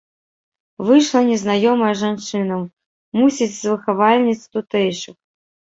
Выйшла незнаёмая жанчына, мусіць, з выхавальніц тутэйшых.